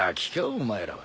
お前らは。